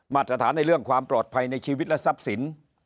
มาตรฐานในเรื่องความปลอดภัยในชีวิตและทรัพย์สิน